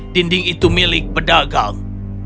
dinding itu milik pedagang